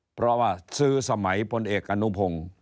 เพราะว่าซื้อสมัยพลเอกอนุพงศ์